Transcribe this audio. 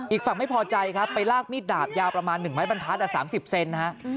อีกฝั่งไม่พอใจครับไปลากมีดดาบยาวประมาณ๑ไม้บรรทัศน์๓๐เซนนะฮะ